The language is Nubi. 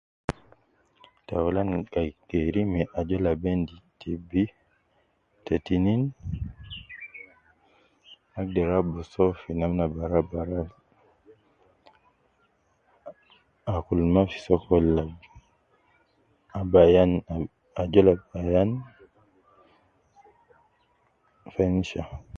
Taulan gai geri me ajol ab endi TB,te tinin ,agder abusu uwo fi namna bara bara, akul ma fi sokol like ab ayan ab ajol ab ayan fencha